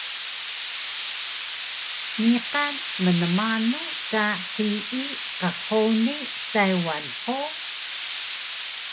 Niqan mnmanu ka hiyi qhuni Taywan hug?